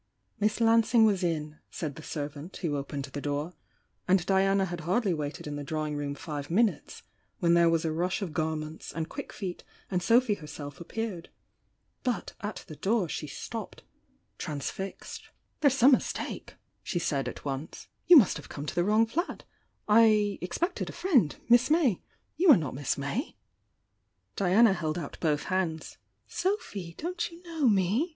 Miss Lansing was in, said the servant who opened the door, — and Diana had hardly waited in the drawing room five minutes, when there was a rush of garments and quick feet and Sophy herself appeared. But at the door she stopped — transfixed. Siil .^11 ! t ; (1 1^ ■' 880 THE YOUNG DIANA ^'There's some mistake," she said »*<>"<»— "Y®" must have come to the wrong ^<'^.J J^'f?r^ » friend,— Miss May. You are not Miss May. Diana held out both hands. ■ "SoDhy, don't you know me?"